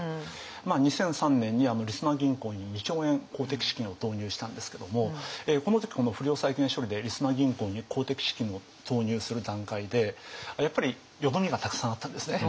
２００３年にりそな銀行に２兆円公的資金を投入したんですけどもこの時この不良債権処理でりそな銀行に公的資金を投入する段階でやっぱり淀みがたくさんあったんですね。